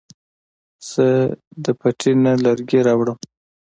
زه د پټي نه لرګي راوړم